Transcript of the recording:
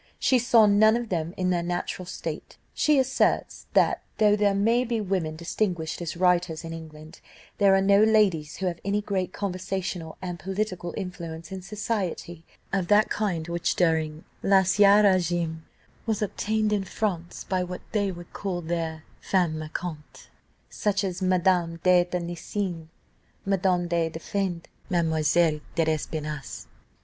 She saw none of them in their natural state. She asserts that, though there may be women distinguished as writers in England, there are no ladies who have any great conversational and political influence in society, of that kind which, during l'ancien régime, was obtained in France by what they would call their femmes marquantes, such as Madame de Tencin, Madame du Deffand, Mademoiselle de l'Espinasse.